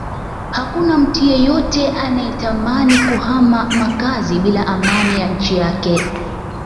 Hakuna mtu yeyote anayetamani kuhama makazi bila amani ya nchi yake